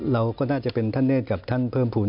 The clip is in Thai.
เราก็น่าจะเป็นท่านเนธกับท่านเพิ่มภูมิ